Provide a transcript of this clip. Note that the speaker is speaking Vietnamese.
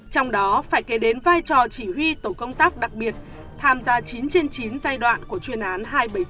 trong đó phải kể đến vai trò chỉ huy tổ công tác đặc biệt tham gia chín trên chín giai đoạn của chuyên án hai trăm bảy mươi chín